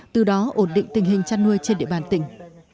từ đó ổn định tình hình chăn nuôi trên địa bàn tỉnh